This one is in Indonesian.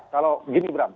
kalau gini bram